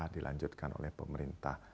dilanjutkan oleh pemerintah